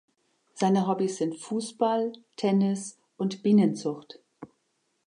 Seine Hobbys sind Fußball, Tennis und Bienenzucht.